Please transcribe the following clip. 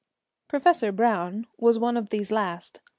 Professor Browne was one of these last.